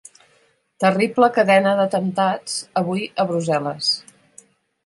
Terrible cadena d'atemptats avui a Brussel·les.